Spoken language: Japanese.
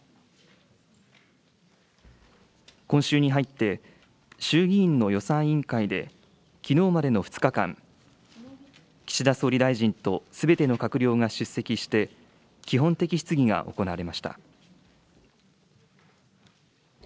今週に入って、衆議院の予算委員会で、きのうまでの２日間、岸田総理大臣とすべての閣僚が出席して、基本的質疑が行われました。